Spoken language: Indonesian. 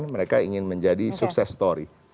mereka ingin menjadi sukses story